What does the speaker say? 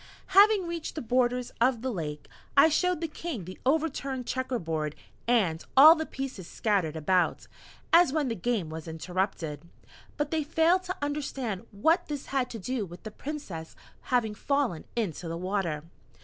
Having reached the borders of the lake, I showed the King the overturned checker board, and all the pieces scattered about, as when the game was interrupted. But they failed to understand what this had to do with the Princess having fallen into the water.